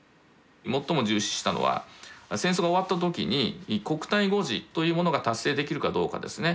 最も重視したのは戦争が終わった時に「国体護持」というものが達成できるかどうかですね。